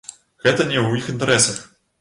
Гэта не ў іх інтарэсах.